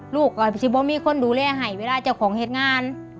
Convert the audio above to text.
ลูกก็ยังไม่มีคนดูแลให้เวลาจะของเหตุงาน